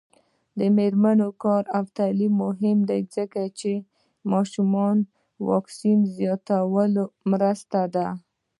د میرمنو کار او تعلیم مهم دی ځکه چې ماشومانو واکسین زیاتولو مرسته ده.